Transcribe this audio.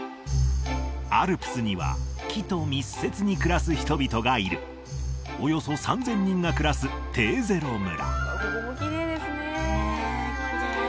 アルプスには木と密接に暮らす人々がいるおよそ３０００人が暮らすテーゼロ村